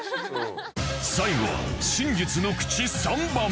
最後は真実のクチ３番